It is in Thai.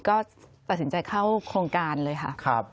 ก็ตัดสินใจเข้าโครงการเลยค่ะ